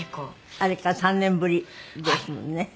あれから３年ぶりですもんね。